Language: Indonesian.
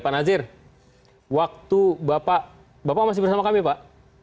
pak nazir waktu bapak masih bersama kami pak